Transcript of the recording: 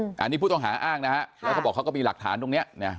อันนี้ผู้ต้องหาอ้างนะฮะแล้วเขาบอกเขาก็มีหลักฐานตรงนี้นะ